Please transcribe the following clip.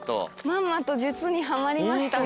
まんまと術にはまりましたね。